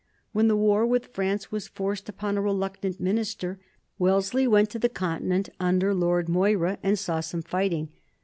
When the war with France was forced upon a reluctant minister, Wellesley went to the Continent under Lord Moira and saw some fighting.